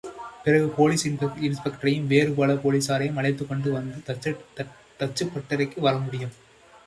பிறகு, போலீஸ் இன்ஸ்பெக்டரையும் வேறு பல போலீசாரையும் அழைத்துக்கொண்டு வந்து தச்சுப் பட்டறைக்கு வரமுடியும்.